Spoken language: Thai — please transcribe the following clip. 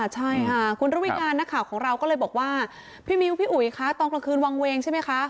ใช่ค่ะคุณระวิการนักข่าวของเราก็เลยบอกว่าพี่มิ้วพี่อุ๋ยคะตอนกลางคืนวางเวงใช่ไหมคะ